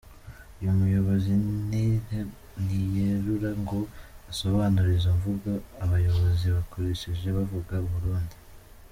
Uyu muyobozi ntiyerura ngo asobanure izo mvugo abayobozi bakoresheje bavuga u Burundi.